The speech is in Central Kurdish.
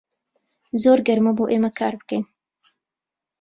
زۆر گەرمە بۆ ئێمە کار بکەین.